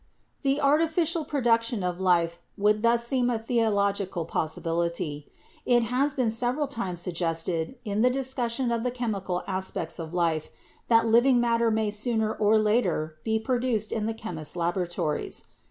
The artificial production of life would thus seem a theo retical possibility. It has been several times suggested in the discussion of the chemical aspects of life that living matter may sooner or later be produced in the chemists' laboratories.